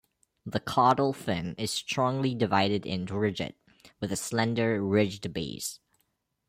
The caudal fin is strongly divided and rigid, with a slender, ridged base.